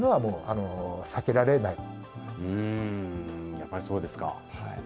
やっぱりそうですか。